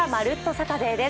サタデー」です。